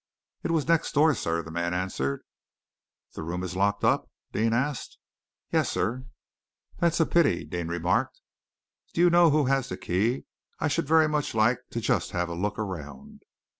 "It was next door, sir," the man answered. "The room is locked up?" Deane asked. "Yes, sir!" "That is a pity," Deane remarked. "Do you know who has the key? I should very much like just to have a look around."